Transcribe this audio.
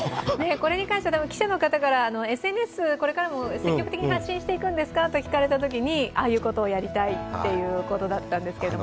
これにかんしては記者の形ＳＮＳ、これから積極的に発信していくんですかと聞かれたときにああいうことをやりたいということだったんですけれども。